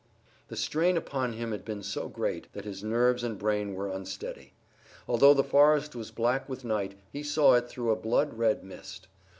The strain upon him had been so great that his nerves and brain were unsteady. Although the forest was black with night he saw it through a blood red mist.